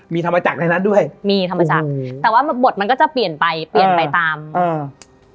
มีธรรมจักรในนั้นด้วยมีธรรมจักรแต่ว่าบทมันก็จะเปลี่ยนไปเปลี่ยนไปตามอ่า